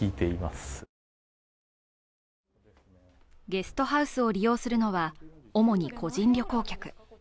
ゲストハウスを利用するのは、主に個人旅行客。